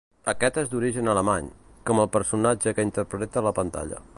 Aquest és d'origen alemany, com el personatge que interpreta a la pantalla.